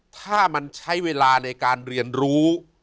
ถ้ามันใช้เวลาในการเรียนรู้